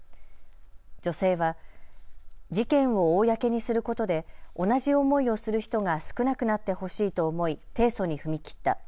女性は事件を公にすることで同じ思いをする人が少なくなってほしいと思い提訴に踏み切った。